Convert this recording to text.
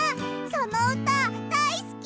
そのうただいすき！